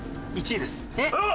１位です。